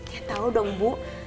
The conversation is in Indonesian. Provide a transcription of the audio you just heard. ya tau dong bu